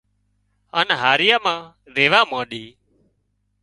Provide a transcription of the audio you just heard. هانَ هاهريان مان ريوا مانڏي